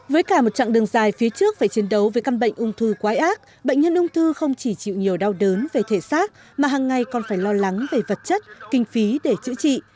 với cả một chặng đường dài phía trước phải chiến đấu với căn bệnh ung thư quái ác bệnh nhân ung thư không chỉ chịu nhiều đau đớn về thể xác mà hàng ngày còn phải lo lắng về vật chất kinh phí để chữa trị